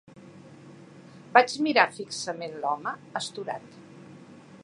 Vaig mirar fixament l'home, astorat.